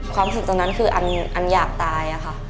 ความสุขตรงนั้นคืออันอยากตายค่ะ